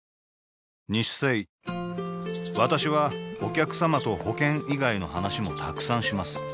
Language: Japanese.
私はお客様と保険以外の話もたくさんします